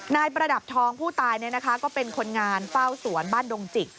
ประดับทองผู้ตายก็เป็นคนงานเฝ้าสวนบ้านดงจิก